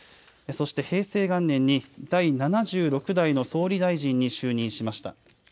そして平成元年に第７６代の総理大臣に就任しました。